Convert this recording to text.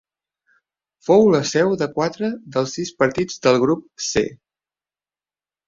Fou la seu de quatre dels sis partits del grup C.